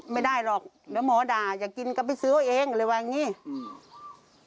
ไม่ได้หรอกเดี๋ยวหมอด่าอยากกินก็ไปซื้อไว้เองเลยว่าอย่างงี้อืม